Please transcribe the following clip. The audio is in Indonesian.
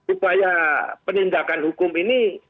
upaya penindakan hukum ini